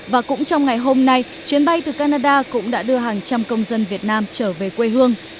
và cũng trong ngày hôm nay chuyến bay từ canada cũng đã đưa hàng trăm công dân việt nam trở về quê hương